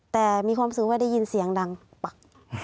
แต่มีความรู้สึกว่าได้ยินเสียงดังปัก